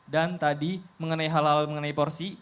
dan tadi mengenai hal hal mengenai porsi